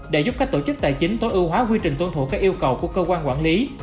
để giúp các tổ chức tài chính tối ưu hóa quy trình tuân thủ các yêu cầu của cơ quan quản lý